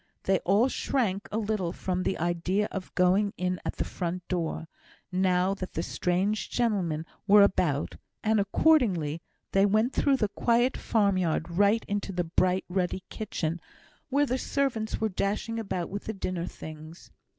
They all shrunk a little from the idea of going in at the front door, now that the strange gentlemen were about, and, accordingly, they went through the quiet farm yard right into the bright, ruddy kitchen, where the servants were dashing about with the dinner things.